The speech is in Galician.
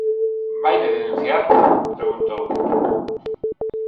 _Vaime denunciar? _preguntou.